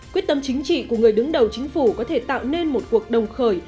quyết tâm chính trị của người đứng đầu chính phủ có thể tạo nên một cuộc đồng khởi